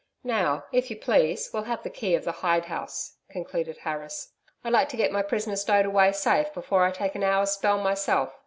Now, if you please, we'll have the key of the hide house,' concluded Harris. 'I'd like to get my prisoner stowed away safe before I take an hour's spell myself.